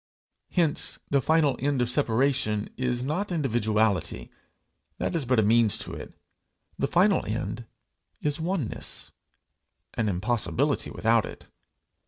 Hence the final end of the separation is not individuality; that is but a means to it; the final end is oneness an impossibility without it.